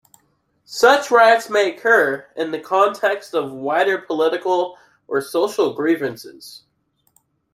Such riots may occur in the context of wider political or social grievances.